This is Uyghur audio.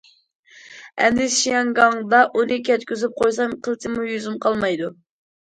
ئەمدى شياڭگاڭدا ئۇنى كەتكۈزۈپ قويسام قىلچىمۇ يۈزۈم قالمايدۇ.